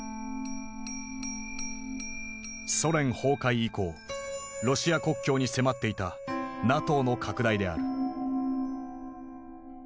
ソ連崩壊以降ロシア国境に迫っていたＮＡＴＯの拡大である。